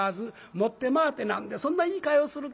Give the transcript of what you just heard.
持って回って何でそんな言いかえをするか。